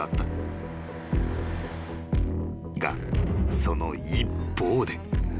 ［がその一方で］